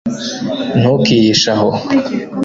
Ntukihishe aho